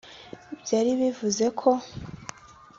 Byari bivuze ko